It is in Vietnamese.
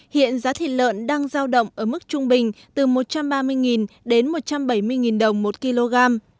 hiện giá thịt lợn đang giao động ở mức trung bình từ một trăm ba mươi đến một trăm bảy mươi đồng một kg